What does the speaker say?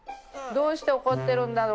どうして怒ってるんだろう？